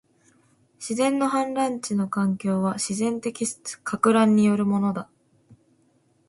自然の氾濫地の環境は、自然的撹乱によるものだ